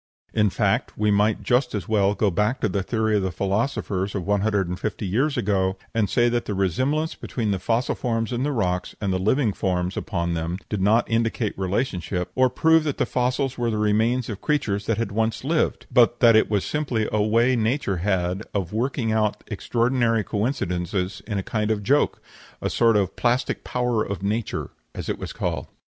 In fact, we might just as well go back to the theory of the philosophers of one hundred and fifty years ago, and say that the resemblance between the fossil forms in the rocks and the living forms upon them did not indicate relationship, or prove that the fossils were the remains of creatures that had once lived, but that it was simply a way nature had of working out extraordinary coincidences in a kind of joke; a sort of "plastic power in nature," as it was called.